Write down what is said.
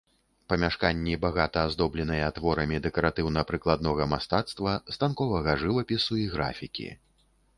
Памяшканні багата аздобленыя творамі дэкаратыўна-прыкладнога мастацтва, станковага жывапісу і графікі.